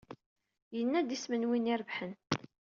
Yenna-d isem n win ay irebḥen.